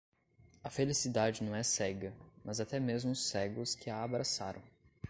A felicidade não é cega, mas até mesmo os cegos que a abraçaram.